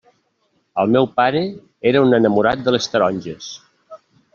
El meu pare era un enamorat de les taronges.